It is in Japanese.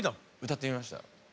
歌ってみました。